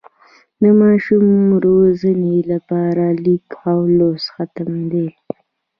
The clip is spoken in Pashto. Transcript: د ماشوم روزنې لپاره لیک او لوست حتمي ده.